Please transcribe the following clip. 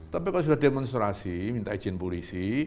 tapi kalau sudah demonstrasi minta izin polisi